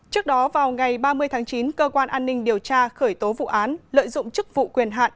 trước đó vào ngày ba mươi tháng chín cơ quan an ninh điều tra khởi tố vụ án lợi dụng chức vụ quyền hạn